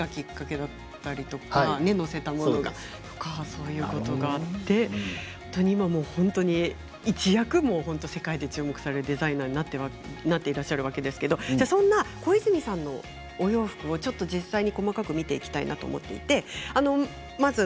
そういうことがあって今、本当に一躍、世界で注目されるデザイナーになっていらっしゃるわけですけれどそんな小泉さんのお洋服をちょっと実際に細かく見ていきたいなと思っています。